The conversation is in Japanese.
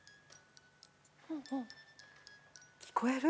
聞こえる？